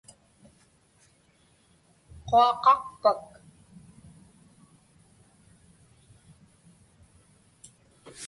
Quaqaqpak?